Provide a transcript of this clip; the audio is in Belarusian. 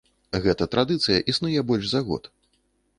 Гэта традыцыя існуе больш за год.